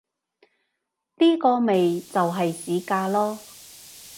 呢個咪就係市價囉